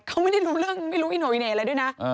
เขาไม่ได้รู้เรื่องไม่รู้อีโนอิเน่อะไรด้วยนะ